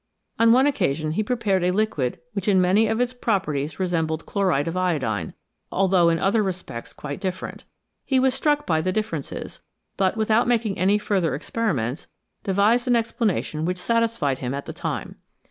On one occasion he pre pared a liquid which in many of its properties resembled chloride of iodine, although in other respects quite different. He was struck by the differences, but, without making any further experiments, devised an explanation which satisfied him at the time.